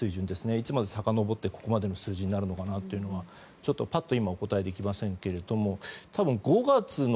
いつまでさかのぼるとここまでの数字になるのかはちょっと、ぱっと今お答えできませんが多分、５月の。